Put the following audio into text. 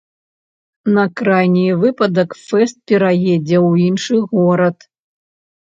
На крайні выпадак фэст пераедзе ў іншы горад.